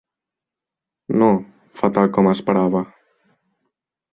No —fa, tal com esperava.